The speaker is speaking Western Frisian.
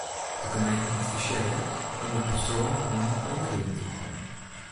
De gemeenten advisearje om op it strân hûnen oan 'e line te hâlden.